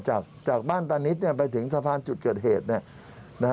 จากบ้านตานิดไปถึงสะพานจุดเกิดเหตุเนี่ย